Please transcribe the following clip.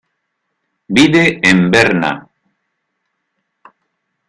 Vive en Berna.